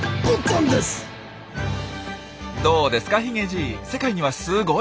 どうですかヒゲじい。